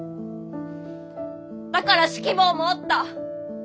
だから指揮棒も折った！